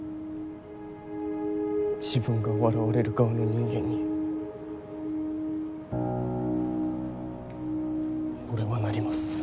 自分が笑われる側の人間に俺はなります。